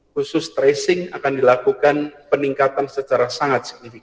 khusus tracing akan dilakukan peningkatan secara sangat signifikan